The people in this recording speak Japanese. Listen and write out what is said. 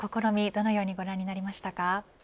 どのようにご覧になりましたか